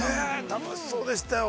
◆楽しそうでしたよ。